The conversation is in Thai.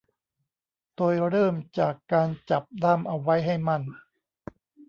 โดยเริ่มจากการจับด้ามเอาไว้ให้มั่น